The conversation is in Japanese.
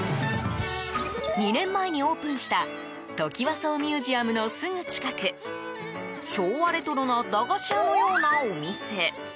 ２年前にオープンしたトキワ荘ミュージアムのすぐ近く昭和レトロな駄菓子屋のようなお店。